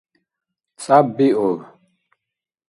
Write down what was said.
ЦӀяббиуб.